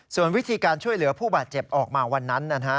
ส่วนวิธีการช่วยเหลือผู้บาดเจ็บออกมาวันนั้นนะฮะ